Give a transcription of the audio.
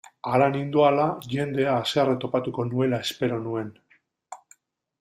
Hara nindoala, jendea haserre topatuko nuela espero nuen.